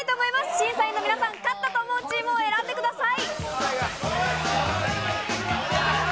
審査員の皆さん、勝ったと思うチームを選んでください。